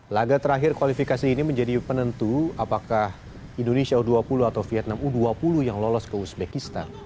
laga terakhir kualifikasi ini menjadi penentu apakah indonesia u dua puluh atau vietnam u dua puluh yang lolos ke uzbekistan